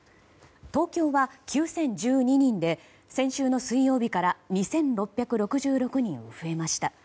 東京は９０１２人で先週の水曜日から２６６６人増えました。